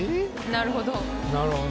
なるほど。